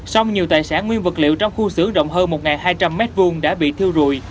sông nhiều tài sản nguyên vật liệu trong khu xưởng rộng hơn một hai trăm linh m hai đã bị thiêu rụi